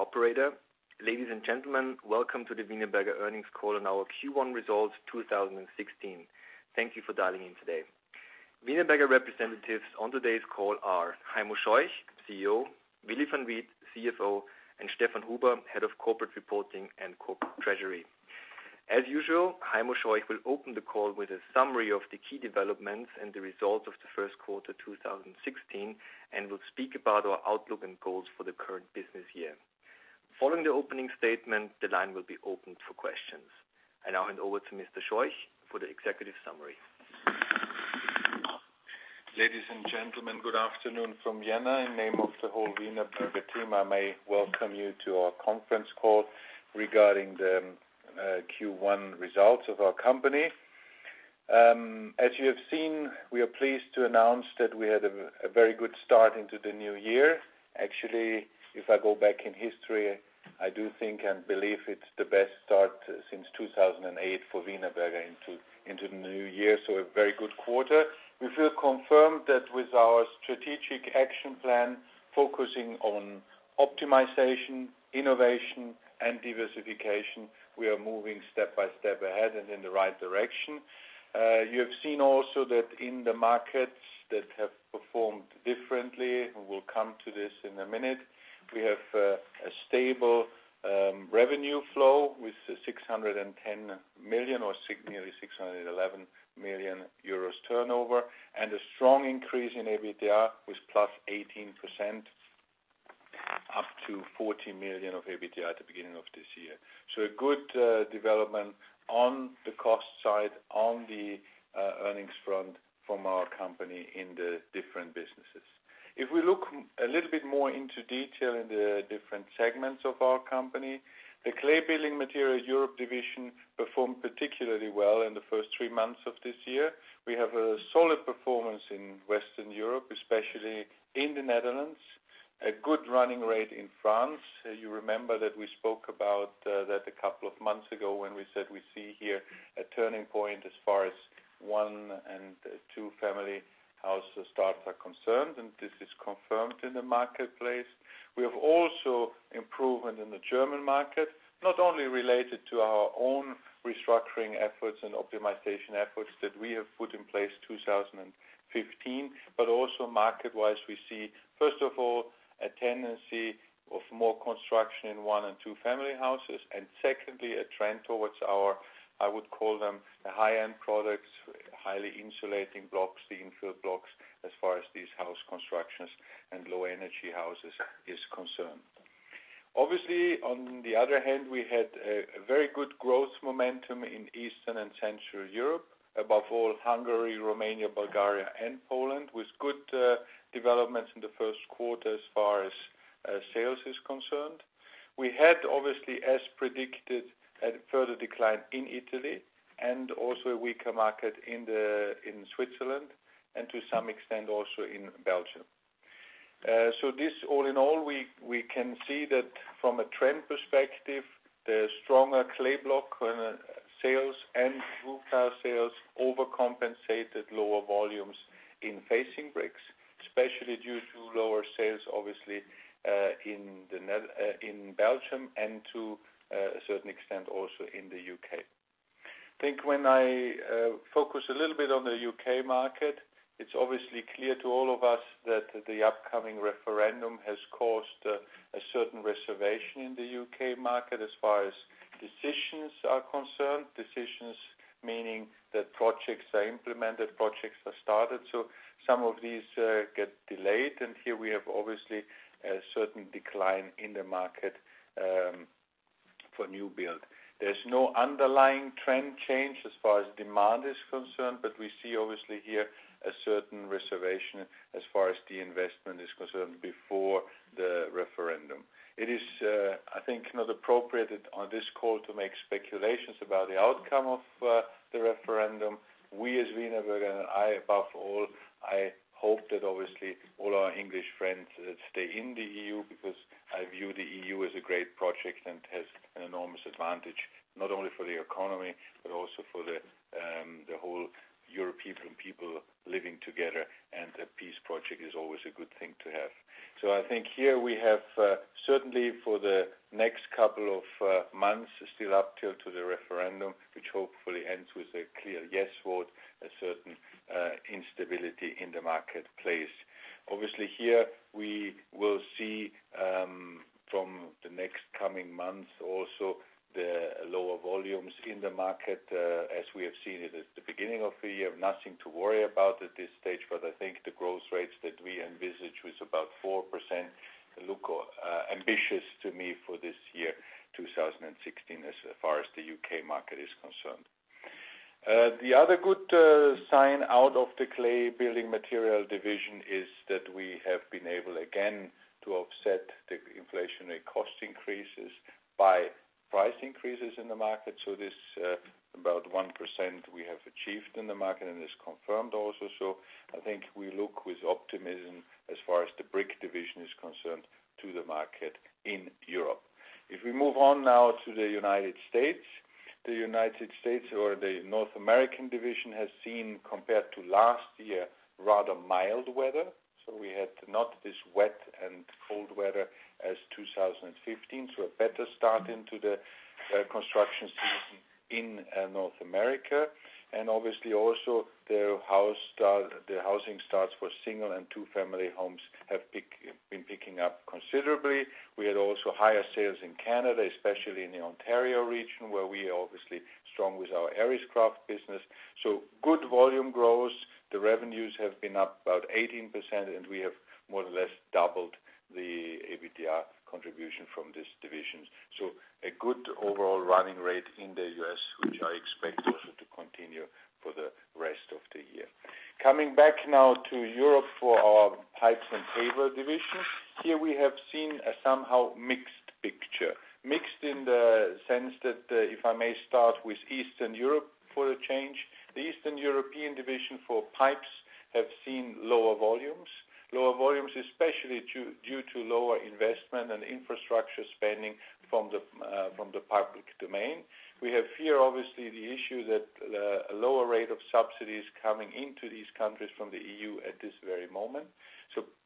Thank you, operator. Ladies and gentlemen, welcome to the Wienerberger earnings call on our Q1 results 2016. Thank you for dialing in today. Wienerberger representatives on today's call are Heimo Scheuch, CEO, Willy Van Riet, CFO, and Stefan Huber, Head of Corporate Reporting and Corporate Treasury. As usual, Heimo Scheuch will open the call with a summary of the key developments and the results of the first quarter 2016, and will speak about our outlook and goals for the current business year. Following the opening statement, the line will be opened for questions. I now hand over to Mr. Scheuch for the executive summary. Ladies and gentlemen, good afternoon from Vienna. In name of the whole Wienerberger team, I may welcome you to our conference call regarding the Q1 results of our company. As you have seen, we are pleased to announce that we had a very good start into the new year. Actually, if I go back in history, I do think and believe it's the best start since 2008 for Wienerberger into the new year, so a very good quarter. We feel confirmed that with our strategic action plan focusing on optimization, innovation, and diversification, we are moving step by step ahead and in the right direction. You have seen also that in the markets that have performed differently, and we'll come to this in a minute, we have a stable revenue flow with 610 million or nearly 611 million euros turnover, and a strong increase in EBITDA with +18%, up to 14 million of EBITDA at the beginning of this year. A good development on the cost side, on the earnings front from our company in the different businesses. If we look a little bit more into detail in the different segments of our company, the Clay Building Materials Europe division performed particularly well in the first three months of this year. We have a solid performance in Western Europe, especially in the Netherlands, a good running rate in France. You remember that we spoke about that a couple of months ago when we said we see here a turning point as far as one- and two-family house starts are concerned. This is confirmed in the marketplace. We have also improvement in the German market, not only related to our own restructuring efforts and optimization efforts that we have put in place 2015, but also market-wise, we see, first of all, a tendency of more construction in one- and two-family houses. Secondly, a trend towards our, I would call them the high-end products, highly insulating clay blocks, the infill blocks, as far as these house constructions and low energy houses is concerned. Obviously, on the other hand, we had a very good growth momentum in Eastern and Central Europe, above all, Hungary, Romania, Bulgaria, and Poland, with good developments in the first quarter as far as sales is concerned. We had obviously, as predicted, a further decline in Italy and also a weaker market in Switzerland, and to some extent also in Belgium. This all in all, we can see that from a trend perspective, the stronger clay block sales and roof tile sales overcompensated lower volumes in facing bricks, especially due to lower sales, obviously, in Belgium and to a certain extent, also in the U.K. I think when I focus a little bit on the U.K. market, it's obviously clear to all of us that the upcoming referendum has caused a certain reservation in the U.K. market as far as decisions are concerned. Decisions meaning that projects are implemented, projects are started. Some of these get delayed, and here we have obviously a certain decline in the market for new build. There's no underlying trend change as far as demand is concerned, but we see obviously here a certain reservation as far as the investment is concerned before the referendum. It is, I think, not appropriate on this call to make speculations about the outcome of We had not this wet and cold weather as 2015, a better start into the construction season in North America. Obviously also the housing starts for single and two-family homes have been picking up considerably. We had also higher sales in Canada, especially in the Ontario region, where we are obviously strong with our Arriscraft business. Good volume growth. The revenues have been up about 18%, and we have more or less doubled the EBITDA contribution from this division. A good overall running rate in the U.S., which I expect also to continue for the rest of the year. Coming back now to Europe for our pipes and paver division. Here we have seen a somehow mixed picture. Mixed in the sense that, if I may start with Eastern Europe for a change, the Eastern European division for pipes have seen lower volumes. Lower volumes, especially due to lower investment and infrastructure spending from the public domain. We have here, obviously, the issue that a lower rate of subsidies coming into these countries from the EU at this very moment.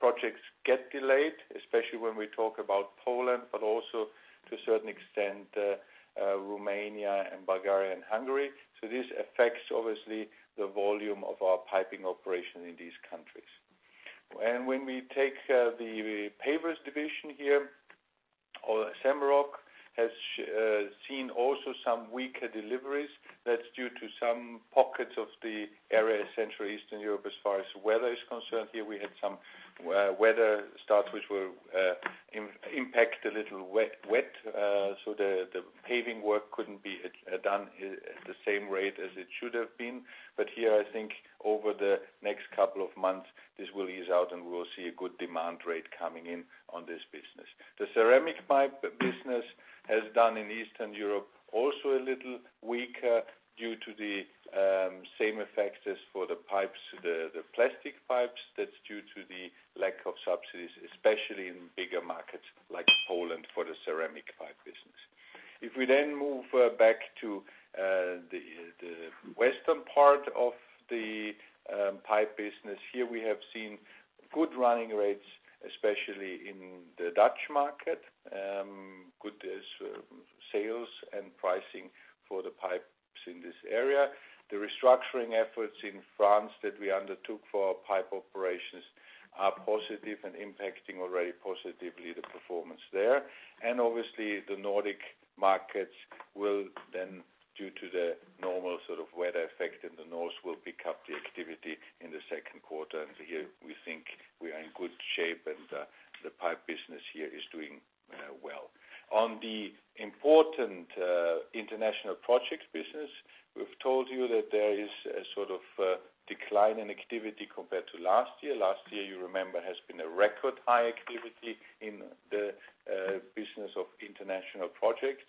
Projects get delayed, especially when we talk about Poland, but also to a certain extent, Romania and Bulgaria and Hungary. This affects, obviously, the volume of our piping operation in these countries. When we take the pavers division here, or Semmelrock, has seen also some weaker deliveries. That's due to some pockets of the area Central Eastern Europe as far as weather is concerned. Here we had some weather starts which will impact a little wet, so the paving work couldn't be done at the same rate as it should have been. Here, I think, over the next couple of months, this will ease out, and we will see a good demand rate coming in on this business. The ceramic pipe business has done in Eastern Europe also a little weaker due to the same effects as for the pipes, the plastic pipes. That's due to the lack of subsidies, especially in bigger markets like Poland for the ceramic pipe business. If we move back to the western part of the pipe business, here we have seen good running rates, especially in the Dutch market. Good sales and pricing for the pipes in this area. The restructuring efforts in France that we undertook for our pipe operations are positive and impacting already positively the performance there. Obviously, the Nordic markets will then, due to the normal sort of weather effect in the north, will pick up the activity in the second quarter. Here we think we are in good shape and the pipe business here is doing well. On the important international projects business, we've told you that there is a sort of decline in activity compared to last year. Last year, you remember, has been a record high activity in the business of international projects.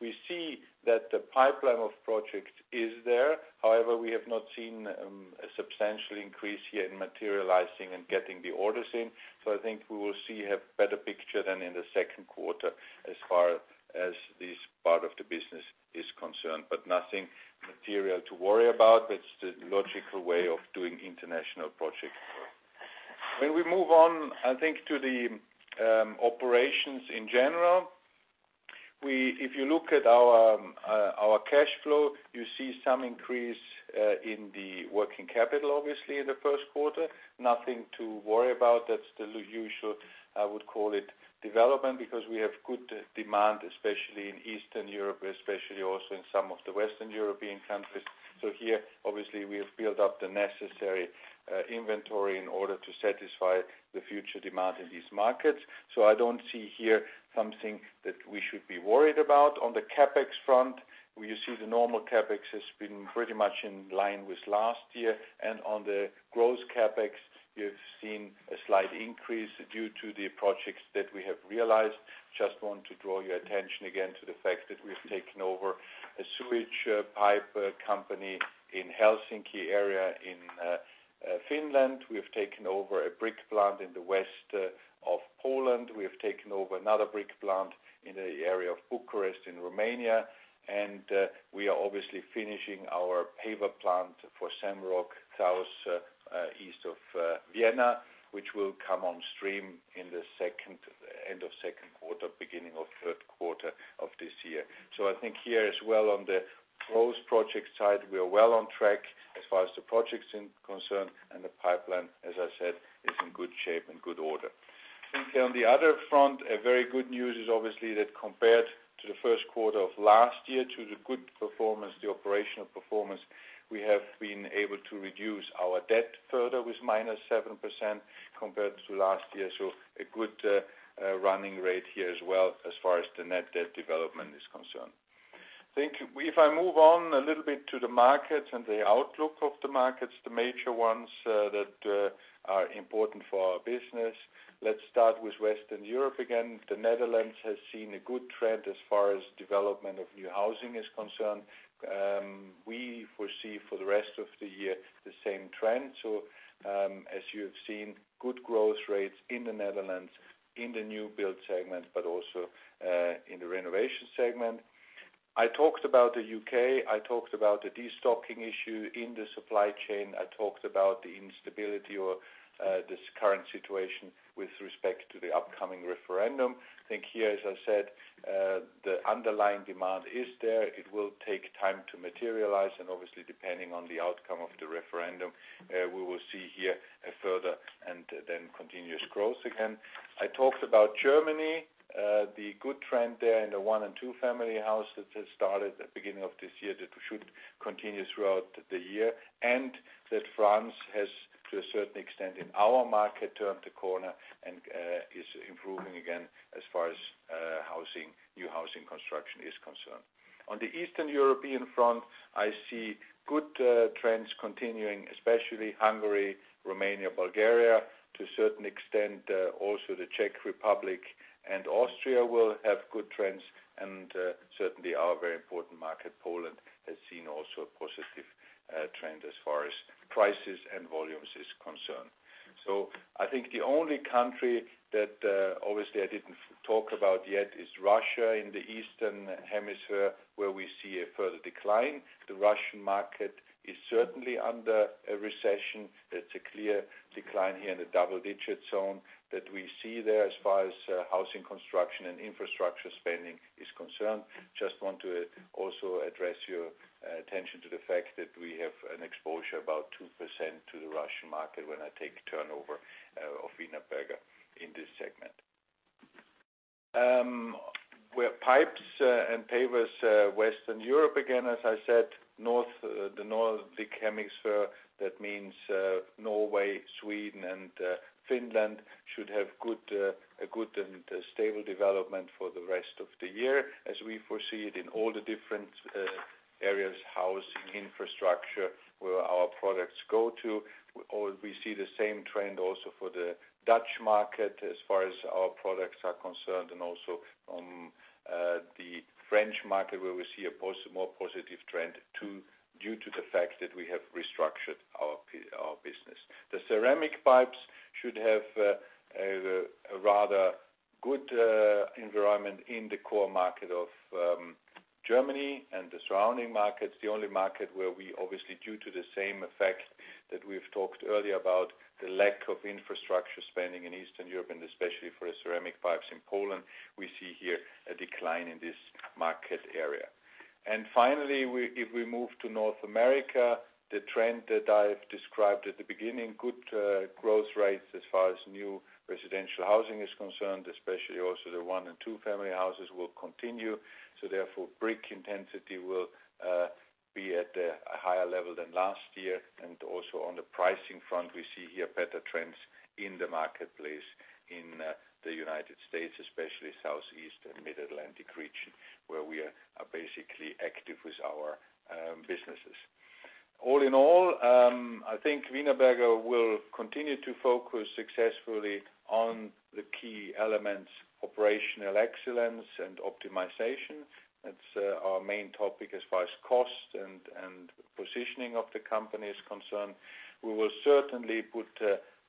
We see that the pipeline of projects is there. However, we have not seen a substantial increase here in materializing and getting the orders in. I think we will see a better picture than in the second quarter as far as this part of the business is concerned, but nothing material to worry about. That's the logical way of doing international projects. When we move on, I think, to the operations in general. If you look at our cash flow, you see some increase in the working capital, obviously, in the first quarter. Nothing to worry about. That's the usual, I would call it, development because we have good demand, especially in Eastern Europe, especially also in some of the Western European countries. Here, obviously, we have built up the necessary inventory in order to satisfy the future demand in these markets. I don't see here something that we should be worried about. On the CapEx front, you see the normal CapEx has been pretty much in line with last year. On the gross CapEx, you've seen a slight increase due to the projects that we have realized. Just want to draw your attention again to the fact that we've taken over a sewage pipe company in Helsinki area in Finland. We have taken over a brick plant in the west of Poland. We have taken over another brick plant in the area of Bucharest in Romania, and we are obviously finishing our paver plant for Semmelrock, southeast of Vienna, which will come on stream in the end of second quarter, beginning of third quarter of this year. I think here as well on the close project side, we are well on track as far as the project is concerned, and the pipeline, as I said, is in good shape, in good order. I think on the other front, a very good news is obviously that compared to the first quarter of last year to the good performance, the operational performance, we have been able to reduce our debt further with -7% compared to last year. A good running rate here as well as far as the net debt development is concerned. I think if I move on a little bit to the markets and the outlook of the markets, the major ones that are important for our business. Let's start with Western Europe again. The Netherlands has seen a good trend as far as development of new housing is concerned. We foresee for the rest of the year the same trend. As you have seen, good growth rates in the Netherlands in the new build segment, but also in the renovation segment. I talked about the U.K. I talked about the destocking issue in the supply chain. I talked about the instability or this current situation with respect to the upcoming referendum. I think here, as I said, the underlying demand is there. It will take time to materialize, and obviously depending on the outcome of the referendum, we will see here a further and then continuous growth again. I talked about Germany, the good trend there in the one and two family houses that started at the beginning of this year, that should continue throughout the year, and that France has, to a certain extent in our market, turned the corner and is improving again as far as new housing construction is concerned. On the Eastern European front, I see good trends continuing, especially Hungary, Romania, Bulgaria, to a certain extent, also the Czech Republic and Austria will have good trends. Certainly, our very important market, Poland, has seen also a positive trend as far as prices and volumes is concerned. I think the only country that obviously I didn't talk about yet is Russia in the Eastern hemisphere, where we see a further decline. The Russian market is certainly under a recession. It's a clear decline here in the double-digit zone that we see there as far as housing construction and infrastructure spending is concerned. Just want to also address your attention to the fact that we have an exposure about 2% to the Russian market when I take turnover of Wienerberger in this segment. Pipes and pavers Western Europe, again, as I said, the Northern Hemisphere, that means Norway, Sweden, and Finland should have a good and stable development for the rest of the year as we foresee it in all the different areas, housing, infrastructure, where our products go to. We see the same trend also for the Dutch market as far as our products are concerned and also the French market, where we see a more positive trend due to the fact that we have restructured our business. The ceramic pipes should have a rather good environment in the core market of Germany and the surrounding markets. The only market where we obviously, due to the same effect that we've talked earlier about the lack of infrastructure spending in Eastern Europe and especially for ceramic pipes in Poland, we see here a decline in this market area. Finally, if we move to North America, the trend that I've described at the beginning, good growth rates as far as new residential housing is concerned, especially also the one- and two-family houses will continue. Therefore, brick intensity will be at a higher level than last year. Also on the pricing front, we see here better trends in the marketplace in the U.S., especially Southeast and Mid-Atlantic region, where we are basically active with our businesses. All in all, I think Wienerberger will continue to focus successfully on the key elements, operational excellence and optimization. That's our main topic as far as cost and positioning of the company is concerned. We will certainly put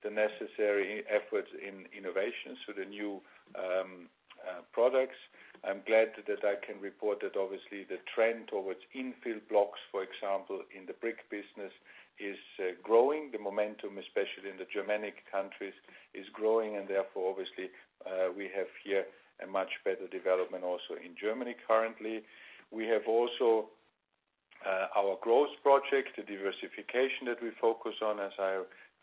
the necessary efforts in innovation, so the new products. I'm glad that I can report that obviously the trend towards infill blocks, for example, in the brick business is growing. The momentum, especially in the Germanic countries, is growing. Therefore, obviously, we have here a much better development also in Germany currently. We have also our growth project, the diversification that we focus on,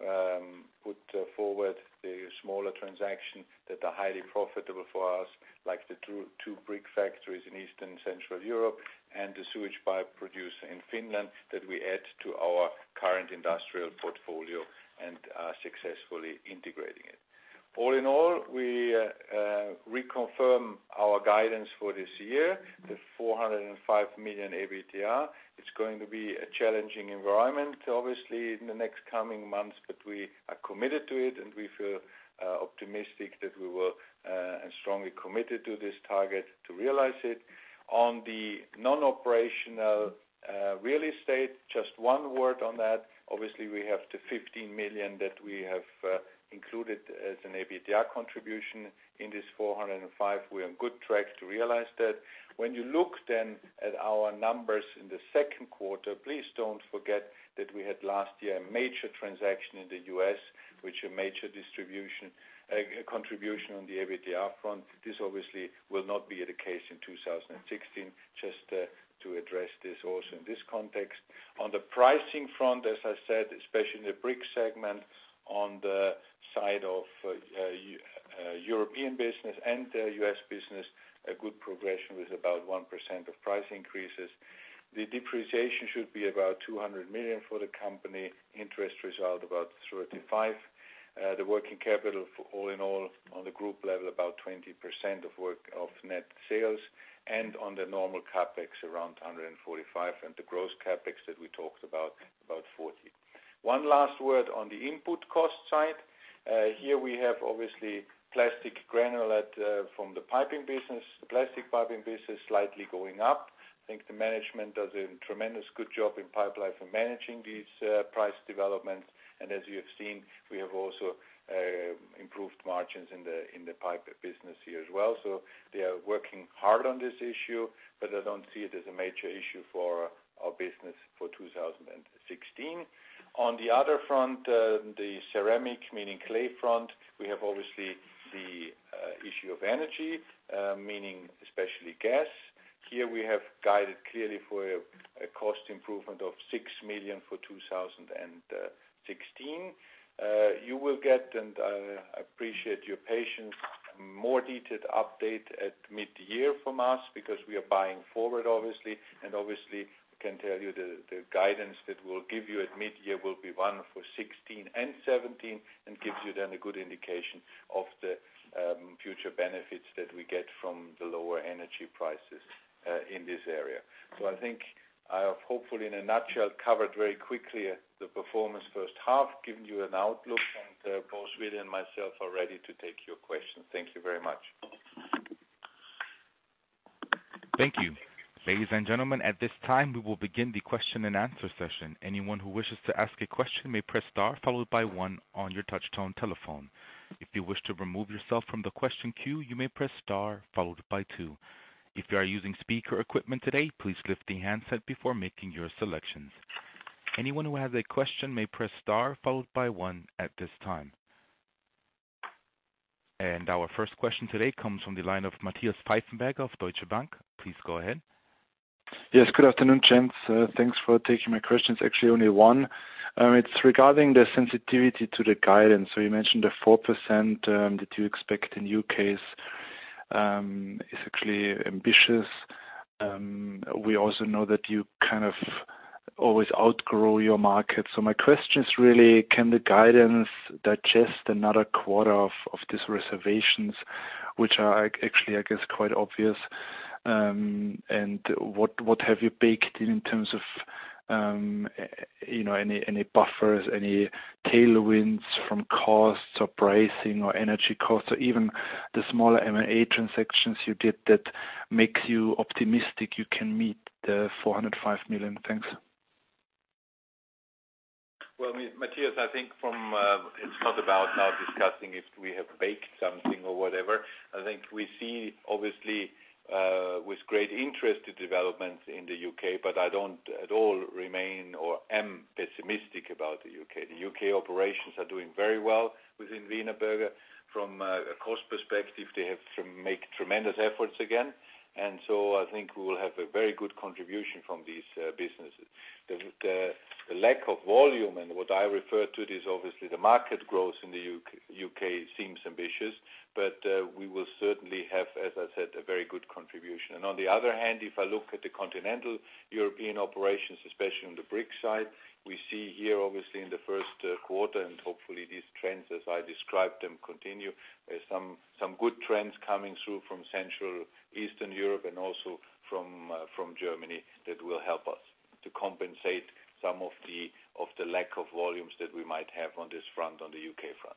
as I put forward the smaller transactions that are highly profitable for us, like the two brick factories in Eastern Central Europe and the sewage pipe producer in Finland that we add to our current industrial portfolio and are successfully integrating it. All in all, we reconfirm our guidance for this year, the 405 million EBITDA. It's going to be a challenging environment, obviously, in the next coming months, but we are committed to it, and we feel optimistic that we will, and strongly committed to this target to realize it. On the non-operational real estate, just one word on that. Obviously, we have the 15 million that we have included as an EBITDA contribution in this 405. We are on good track to realize that. When you look then at our numbers in the second quarter, please don't forget that we had last year a major transaction in the U.S., which a major distribution contribution on the EBITDA front. This obviously will not be the case in 2016. Just to address this also in this context. On the pricing front, as I said, especially in the brick segment on the side of European business and the U.S. business, a good progression with about 1% of price increases. The depreciation should be about 200 million for the company. Interest result about 35. The working capital, all in all, on the group level, about 20% of net sales, and on the normal CapEx, around 145 million, and the gross CapEx that we talked about 40 million. One last word on the input cost side. Here we have obviously plastic granulate from the plastic piping business slightly going up. I think the management does a tremendous good job in pipeline for managing these price developments. As you have seen, we have also improved margins in the pipe business here as well. They are working hard on this issue, but I don't see it as a major issue for our business for 2016. On the other front, the ceramic, meaning clay front, we have obviously the issue of energy, meaning especially gas. Here we have guided clearly for a cost improvement of 6 million for 2016. You will get, and I appreciate your patience, more detailed update at mid-year from us because we are buying forward obviously, and obviously can tell you the guidance that we'll give you at mid-year will be one for 2016 and 2017 and gives you then a good indication of the future benefits that we get from the lower energy prices in this area. I think I have, hopefully in a nutshell, covered very quickly the performance first half, given you an outlook, and both Willy and myself are ready to take your questions. Thank you very much. Thank you. Ladies and gentlemen, at this time, we will begin the question and answer session. Anyone who wishes to ask a question may press star one on your touch tone telephone. If you wish to remove yourself from the question queue, you may press star two. If you are using speaker equipment today, please lift the handset before making your selections. Anyone who has a question may press star one at this time. Our first question today comes from the line of Matthias Pfeifenberger of Deutsche Bank. Please go ahead. Yes. Good afternoon, gents. Thanks for taking my questions, actually only one. It's regarding the sensitivity to the guidance. You mentioned the 4% that you expect in U.K. is actually ambitious. We also know that you kind of always outgrow your market. My question is really can the guidance digest another quarter of these reservations, which are actually, I guess, quite obvious, and what have you baked in in terms of any buffers, any tailwinds from costs or pricing or energy costs, or even the smaller M&A transactions you did that makes you optimistic you can meet the 405 million? Thanks. Matthias, I think it's not about now discussing if we have baked something or whatever. I think we see, obviously, with great interest the developments in the U.K., but I don't at all remain or am pessimistic about the U.K. The U.K. operations are doing very well within Wienerberger. From a cost perspective, they have made tremendous efforts again, so I think we will have a very good contribution from these businesses. The lack of volume, what I refer to it is obviously the market growth in the U.K. seems ambitious, but we will certainly have, as I said, a very good contribution. On the other hand, if I look at the Continental European operations, especially on the brick side, we see here obviously in the first quarter, hopefully these trends as I described them continue. There's some good trends coming through from Central Eastern Europe and also from Germany that will help us to compensate some of the lack of volumes that we might have on this front, on the U.K. front.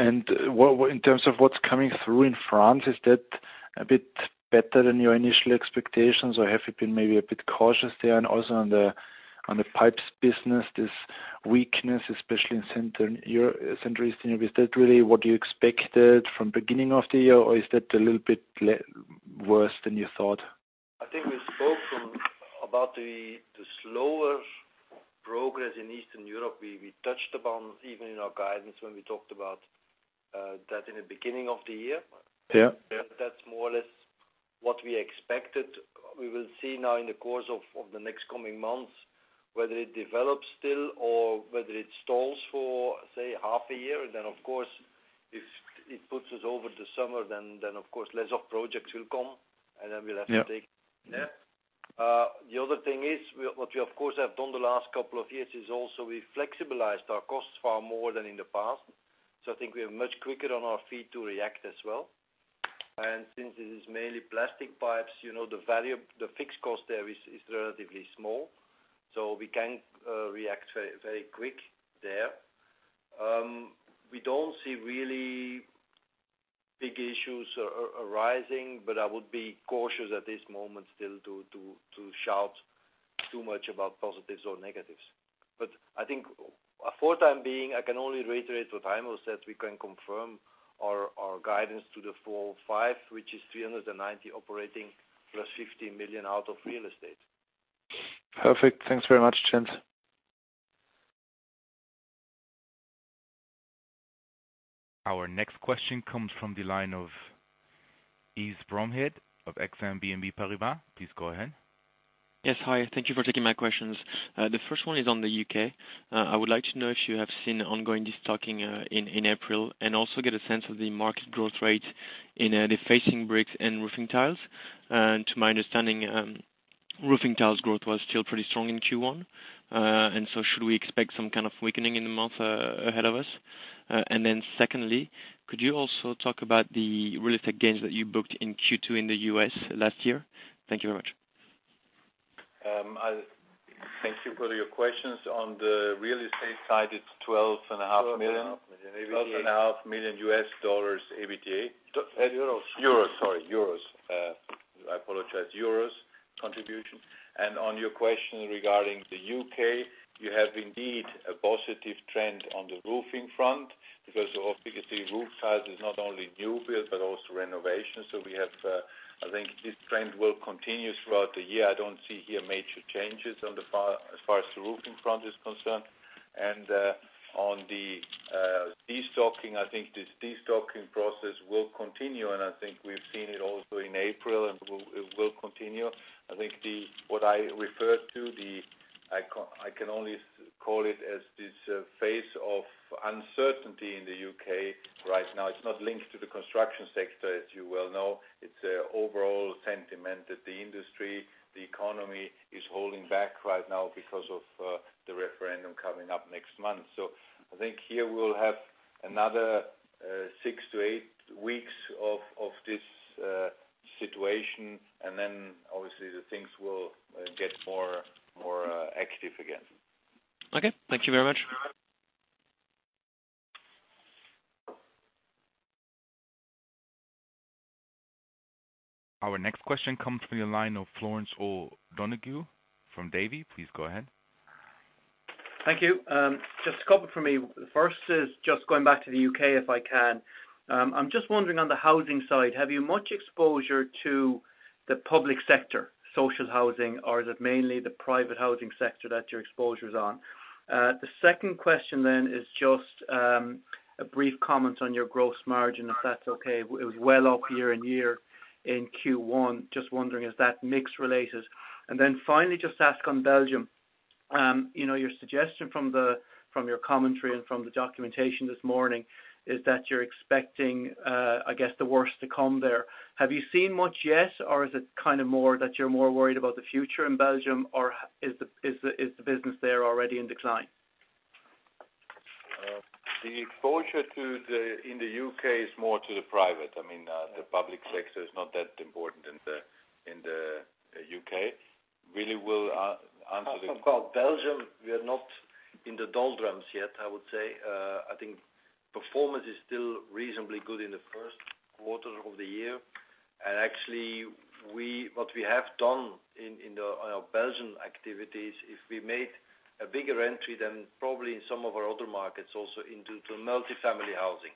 In terms of what's coming through in France, is that a bit better than your initial expectations or have you been maybe a bit cautious there? Also on the pipes business, this weakness, especially in Central Eastern Europe, is that really what you expected from beginning of the year or is that a little bit worse than you thought? I think we spoke about the slower progress in Eastern Europe. We touched upon, even in our guidance when we talked about that in the beginning of the year. Yeah. That's more or less what we expected. We will see now in the course of the next coming months whether it develops still or whether it stalls for, say, half a year. If it puts us over the summer, then of course less of projects will come, and then we'll have to take. Yeah. The other thing is, what we of course have done the last couple of years is also we've flexibilized our costs far more than in the past. I think we are much quicker on our feet to react as well. Since it is mainly plastic pipes, the fixed cost there is relatively small, so we can react very quick there. We don't see really big issues arising, but I would be cautious at this moment still to shout too much about positives or negatives. I think for time being, I can only reiterate what Heimo said. We can confirm our guidance to the 405, which is 390 operating plus 15 million out of real estate. Perfect. Thanks very much, gents. Our next question comes from the line of Yves Bromehead of Exane BNP Paribas. Please go ahead. Yes. Hi, thank you for taking my questions. The first one is on the U.K. I would like to know if you have seen ongoing destocking in April and also get a sense of the market growth rate in the facing bricks and roofing tiles. To my understanding, roofing tiles growth was still pretty strong in Q1. Should we expect some kind of weakening in the months ahead of us? Secondly, could you also talk about the real estate gains that you booked in Q2 in the U.S. last year? Thank you very much. Thank you for your questions. On the real estate side, it's 12.5 million. 12.5 million. $12.5 million, EBITDA. In euros. Euro, sorry, euros. I apologize. Euros contribution. On your question regarding the U.K., you have indeed a positive trend on the roofing front because, obviously, roof tiles is not only new build but also renovation. I think this trend will continue throughout the year. I don't see here major changes as far as the roofing front is concerned. On the destocking, I think this destocking process will continue, and I think we've seen it also in April, and it will continue. I think what I referred to, I can only call it as this phase of uncertainty in the U.K. right now. It's not linked to the construction sector, as you well know. It's a overall sentiment that the industry, the economy, is holding back right now because of the referendum coming up next month. I think here we'll have another six to eight weeks of this situation, and then obviously the things will get more active again. Okay. Thank you very much. Our next question comes from the line of Florence O'Donoghue from Davy. Please go ahead. Thank you. Just a couple from me. The first is just going back to the U.K., if I can. I am just wondering on the housing side, have you much exposure to the public sector, social housing, or is it mainly the private housing sector that your exposure's on? The second question is just a brief comment on your gross margin, if that's okay. It was well up year-on-year in Q1. Just wondering, is that mix related? Finally, just ask on Belgium. Your suggestion from your commentary and from the documentation this morning is that you're expecting the worst to come there. Have you seen much yet, or is it that you're more worried about the future in Belgium, or is the business there already in decline? The exposure in the U.K. is more to the private. I mean, the public sector is not that important in the U.K. Willy will answer. About Belgium, we are not in the doldrums yet, I would say. I think performance is still reasonably good in the first quarter of the year. Actually, what we have done in our Belgian activities, is we made a bigger entry than probably in some of our other markets also into multifamily housing.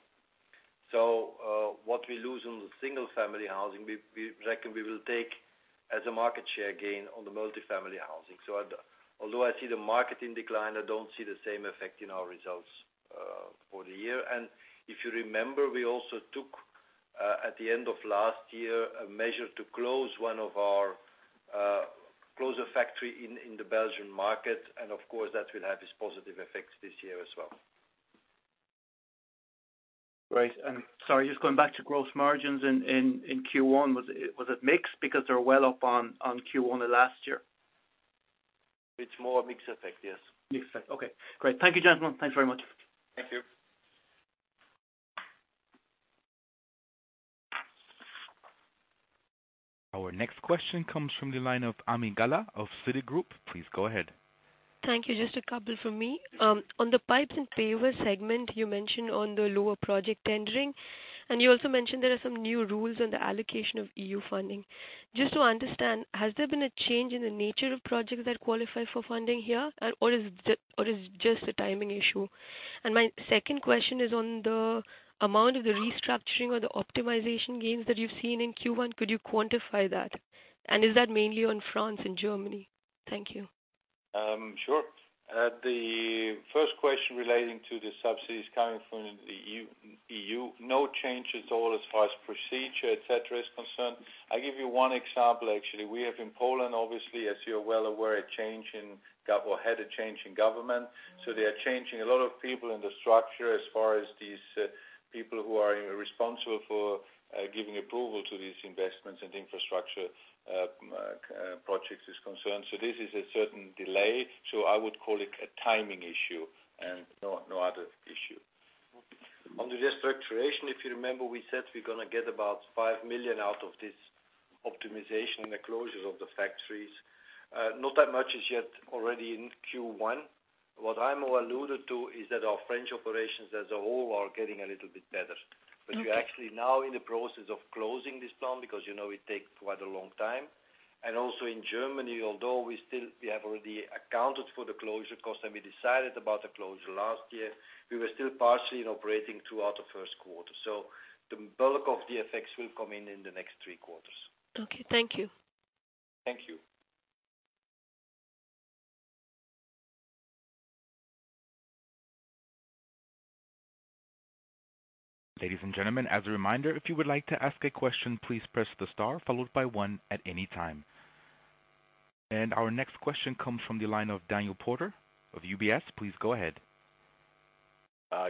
What we lose on the single-family housing, we reckon we will take as a market share gain on the multifamily housing. Although I see the market in decline, I don't see the same effect in our results for the year. If you remember, we also took, at the end of last year, a measure to close a factory in the Belgian market, and of course, that will have its positive effects this year as well. Right. Sorry, just going back to gross margins in Q1. Was it mix? Because they were well up on Q1 of last year. It's more a mix effect, yes. Mix effect. Okay, great. Thank you, gentlemen. Thanks very much. Thank you. Our next question comes from the line of Ami Galla of Citigroup. Please go ahead. Thank you. Just a couple from me. On the pipes and pavers segment, you mentioned on the lower project tendering, and you also mentioned there are some new rules on the allocation of EU funding. Just to understand, has there been a change in the nature of projects that qualify for funding here, or is it just a timing issue? My second question is on the amount of the restructuring or the optimization gains that you've seen in Q1. Could you quantify that? Is that mainly on France and Germany? Thank you. Sure. The first question relating to the subsidies coming from the EU, no change at all as far as procedure, et cetera, is concerned. I'll give you one example, actually. We have in Poland, obviously, as you're well aware, had a change in government. They are changing a lot of people in the structure as far as these people who are responsible for giving approval to these investments and infrastructure projects is concerned. This is a certain delay. I would call it a timing issue and no other issue. On the restructuration, if you remember, we said we're going to get about 5 million out of this optimization and the closure of the factories. Not that much is yet already in Q1. What I more alluded to is that our French operations as a whole are getting a little bit better. Okay. We are actually now in the process of closing this plant because it takes quite a long time. Also in Germany, although we have already accounted for the closure cost and we decided about the closure last year, we were still partially in operating throughout the first quarter. The bulk of the effects will come in in the next three quarters. Okay. Thank you. Thank you. Ladies and gentlemen, as a reminder, if you would like to ask a question, please press the star followed by one at any time. Our next question comes from the line of Daniel Porter of UBS. Please go ahead.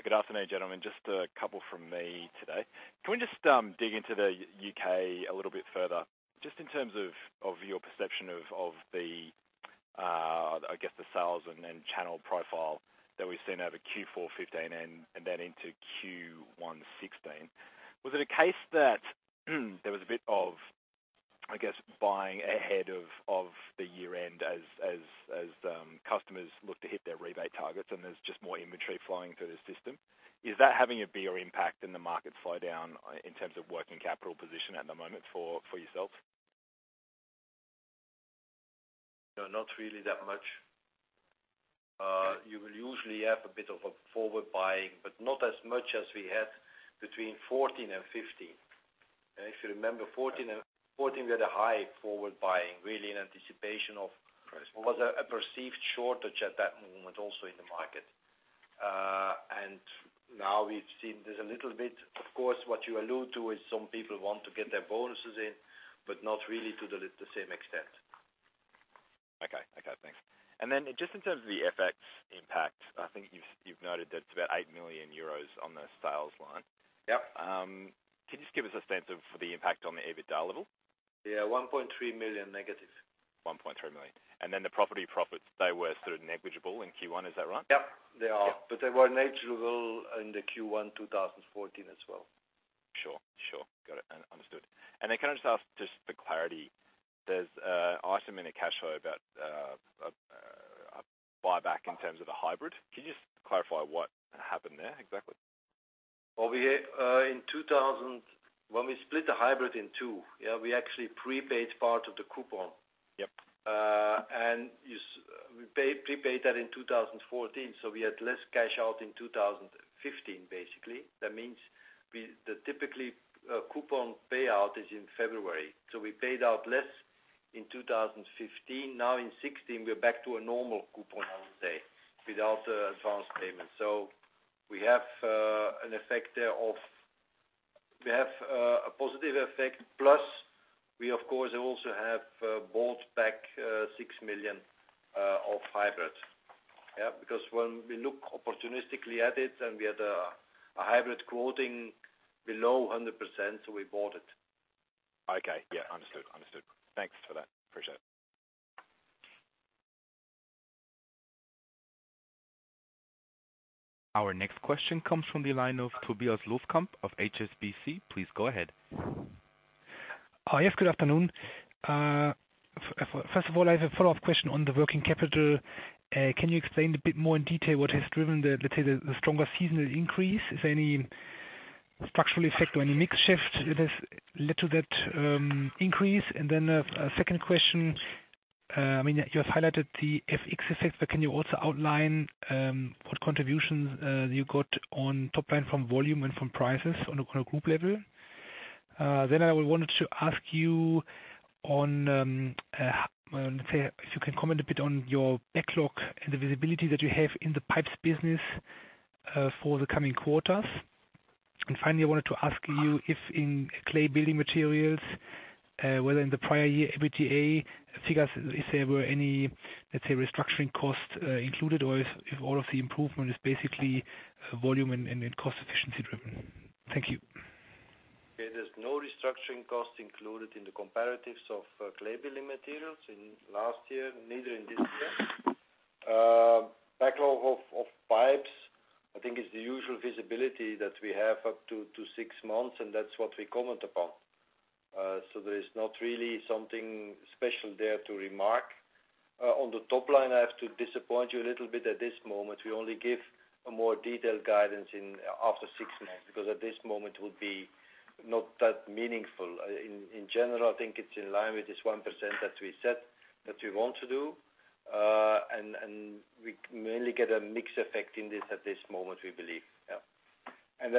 Good afternoon, gentlemen. Just a couple from me today. Can we just dig into the U.K. a little bit further, just in terms of your perception of the I guess the sales and then channel profile that we've seen over Q4 2015 and then into Q1 2016. Was it a case that there was a bit of, I guess, buying ahead of the year-end as customers look to hit their rebate targets, and there's just more inventory flowing through the system? Is that having a bigger impact in the market slowdown in terms of working capital position at the moment for yourselves? No, not really that much. You will usually have a bit of a forward buying, but not as much as we had between 2014 and 2015. If you remember 2014, we had a high forward buying, really in anticipation of what was a perceived shortage at that moment also in the market. Now we've seen there's a little bit, of course, what you allude to is some people want to get their bonuses in, but not really to the same extent. Okay. Thanks. Then just in terms of the FX impact, I think you've noted that it's about 8 million euros on the sales line. Yep. Can you just give us a sense of the impact on the EBITDA level? Yeah, 1.3 million negative. 1.3 million. The property profits, they were sort of negligible in Q1, is that right? Yep. They are. They were negligible in the Q1 2014 as well. Sure. Got it. Understood. Can I just ask just for clarity, there's item in the cash flow about a buyback in terms of the hybrid. Can you just clarify what happened there exactly? Well, when we split the hybrid in two, we actually prepaid part of the coupon. Yep. We prepaid that in 2014, we had less cash out in 2015, basically. That means the typically coupon payout is in February. We paid out less in 2015. Now in 2016, we're back to a normal coupon, I would say, without advance payment. We have a positive effect, plus we, of course, have bought back 6 million of hybrid. When we look opportunistically at it, we had a hybrid quoting below 100%. We bought it. Okay. Yeah, understood. Thanks for that. Appreciate it. Our next question comes from the line of Tobias Loskamp of HSBC. Please go ahead. Yes, good afternoon. First of all, I have a follow-up question on the working capital. Can you explain a bit more in detail what has driven, let's say, the stronger seasonal increase? Is there any structural effect or any mix shift that has led to that increase? A second question, you have highlighted the FX effect. Can you also outline what contributions you got on top line from volume and from prices on a group level? I wanted to ask you on, let's say, if you can comment a bit on your backlog and the visibility that you have in the pipes business for the coming quarters. I wanted to ask you if in Clay Building Materials, whether in the prior year EBITDA figures, if there were any, let's say, restructuring costs included, or if all of the improvement is basically volume and cost efficiency-driven. Thank you. There's no restructuring cost included in the comparatives of Clay Building Materials in last year, neither in this year. Backlog of pipes, I think is the usual visibility that we have up to six months, and that's what we comment upon. There is not really something special there to remark. On the top line, I have to disappoint you a little bit at this moment. We only give a more detailed guidance after six months, because at this moment it would be not that meaningful. In general, I think it's in line with this 1% that we said that we want to do. We mainly get a mix effect in this at this moment, we believe. Yeah.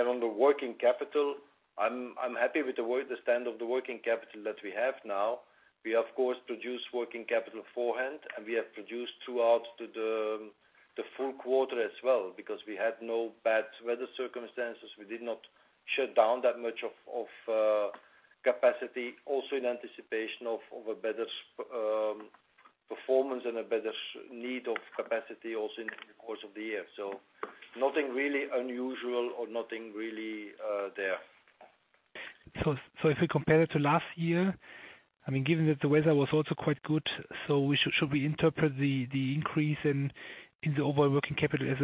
On the working capital, I'm happy with the stand of the working capital that we have now. We, of course, produce working capital beforehand, and we have produced throughout the full quarter as well because we had no bad weather circumstances. We did not shut down that much of capacity also in anticipation of a better performance and a better need of capacity also in the course of the year. Nothing really unusual or nothing really there. If we compare it to last year, given that the weather was also quite good, so should we interpret the increase in the overall working capital as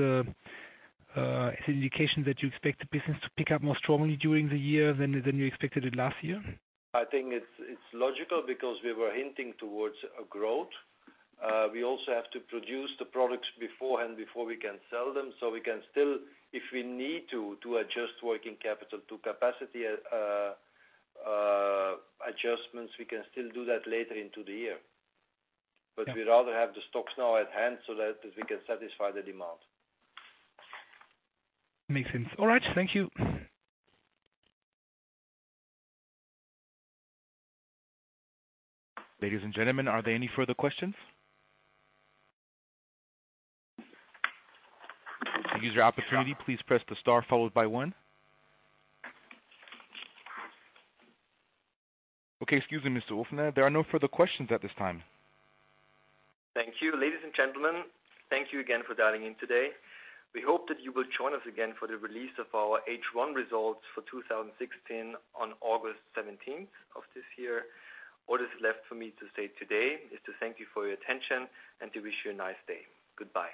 an indication that you expect the business to pick up more strongly during the year than you expected it last year? I think it's logical because we were hinting towards a growth. We also have to produce the products beforehand before we can sell them. We can still, if we need to adjust working capital to capacity adjustments, we can still do that later into the year. We'd rather have the stocks now at hand so that we can satisfy the demand. Makes sense. All right. Thank you. Ladies and gentlemen, are there any further questions? To use your opportunity, please press the star followed by one. Okay. Excuse me, Mr. Huber. There are no further questions at this time. Thank you. Ladies and gentlemen, thank you again for dialing in today. We hope that you will join us again for the release of our H1 results for 2016 on August 17th of this year. All is left for me to say today is to thank you for your attention and to wish you a nice day. Goodbye.